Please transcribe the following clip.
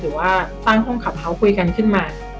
หรือว่าสร้างห้องขับเฮาส์คุยกันขึ้นมา